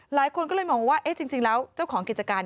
หลายคนก็เลยมองว่าเอ๊ะจริงแล้วเจ้าของกิจการ